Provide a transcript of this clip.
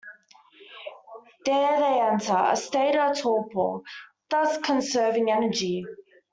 There they enter a state of torpor, thus conserving energy.